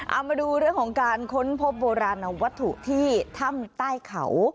เอามาดูเรื่องของการค้นพบโบราณวัตถุที่ถ้ำใต้เขา